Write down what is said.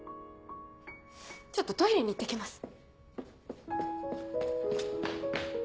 ちょっとトイレに行って来ます。